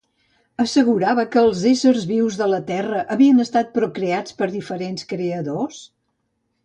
Assegurava que els éssers vius de la Terra havien estat procreats per diferents creadors?